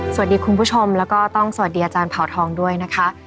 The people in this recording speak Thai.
คุณผู้ชมแล้วก็ต้องสวัสดีอาจารย์เผาทองด้วยนะคะ